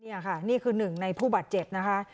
นี่ค่ะนี่คือหนึ่งในผู้บาดเจ็บนะคะ